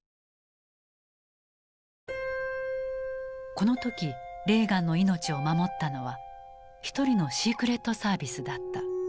この時レーガンの命を守ったのは一人のシークレットサービスだった。